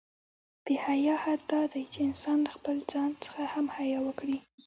د حیا حد دا دی، چې انسان له خپله ځان څخه هم حیا وکړي.